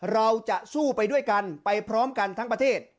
เราจะสู้ไปด้วยกันไปพร้อมกันทั้งประเทศ